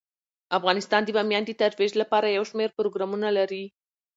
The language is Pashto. افغانستان د بامیان د ترویج لپاره یو شمیر پروګرامونه لري.